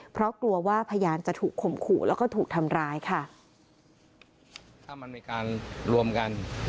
เพราะกลัวว่าพยานจะถูกขมขู่และก็ถูกทำร้ายค่ะ